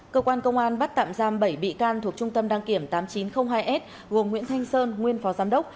cơ quan công an bắt tạm giam bảy bị can thuộc trung tâm đăng kiểm tám nghìn chín trăm linh hai s gồm nguyễn thanh sơn nguyên phó giám đốc